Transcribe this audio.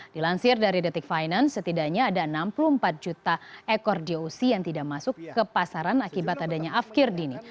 dilansir dari detik finance setidaknya ada enam puluh empat juta ekor doc yang tidak masuk ke pasaran akibat adanya afkir dini